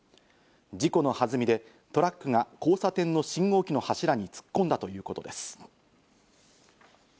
事故のはずみでトラックが交差点の信号機の柱に突っ込んだということです。